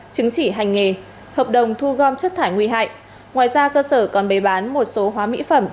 chứng chỉ hành nghề hợp đồng thu gom chất thải nguy hại ngoài ra cơ sở còn bế bán một số hóa mỹ phẩm